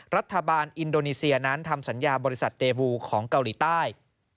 รัฐบาลอินโดนีเซียนั้นทำสัญญาบริษัทเดบูของเกาหลีใต้